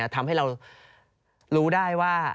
ทำให้เรารู้ได้ว่า